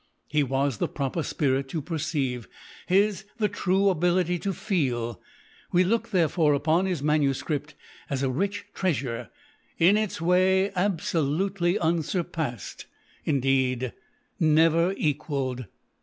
His was the proper spirit to perceive; his the true ability to feel. We look, therefore, upon his MS. as a rich treasure — in its way absolutely unsurpassed — indeed, never equalled.